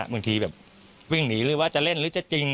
บางทีแบบวิ่งหนีหรือว่าจะเล่นหรือจะจริง